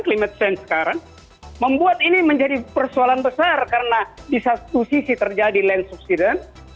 climate sense sekarang membuat ini menjadi persoalan besar karena di satu sisi terjadi land subsidence